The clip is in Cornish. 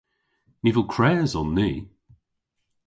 Nivel kres on ni.